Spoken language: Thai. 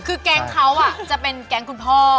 คือแก๊งเขาจะเป็นแก๊งคุณพ่อ